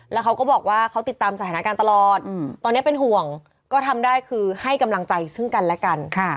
แล้วเขาก็บอกว่าเขาติดตามสถานการณ์ตลอดตอนนี้เป็นห่วงก็ทำได้คือให้กำลังใจซึ่งกันและกัน